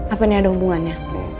apa ini ada hubungannya